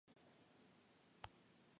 Intervino en otras películas cómo “Faust.